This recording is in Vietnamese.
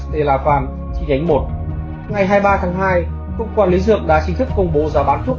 stella farm chỉ nhánh một ngày hai mươi ba tháng hai cục quản lý dược đã chính thức công bố giá bán thuốc